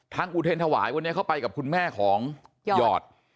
อุเทรนธวายวันนี้เขาไปกับคุณแม่ของหยอด